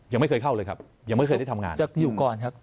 ยังไม่เคยเข้าเลยครับยังไม่เคยได้ทำงานจะอยู่ก่อนครับ